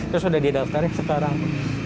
terus udah didaftarnya sekarang